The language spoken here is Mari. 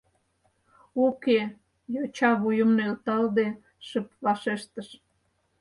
— Уке, — йоча, вуйым нӧлталде, шып вашештыш.